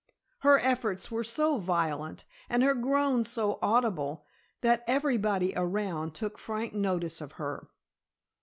Her efforts were so violent, and her groans so audible, that everybody around took frank notice of her.